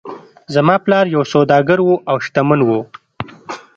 زما پلار یو سوداګر و او شتمن و.